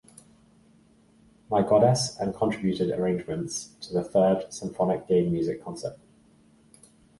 My Goddess and contributed arrangements to the third Symphonic Game Music Concert.